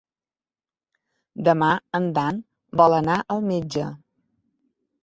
Demà en Dan vol anar al metge.